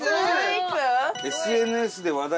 「ＳＮＳで話題。